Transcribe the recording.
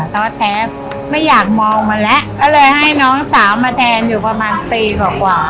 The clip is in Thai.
แต่ว่าแท้ไม่อยากมองมันแล้วก็เลยให้น้องสาวมาแทนอยู่ประมาณปีกว่า